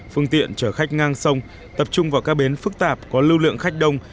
phương tiện chở khách ngang sông tập trung vào các bến phức tạp có lưu lượng khách đông